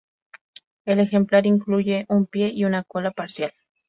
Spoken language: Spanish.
El ejemplar incluye un pie y una cola parcial.